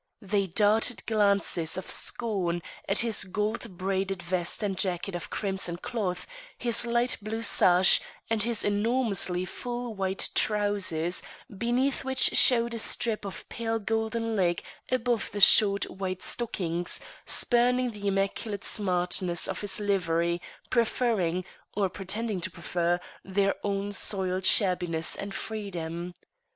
They darted glances of scorn at his gold braided vest and jacket of crimson cloth, his light blue sash, and his enormously full white trousers, beneath which showed a strip of pale golden leg above the short white stockings, spurning the immaculate smartness of his livery, preferring, or pretending to prefer, their own soiled shabbiness and freedom.